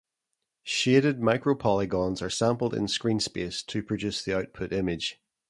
Shaded micropolygons are sampled in screen space to produce the output image.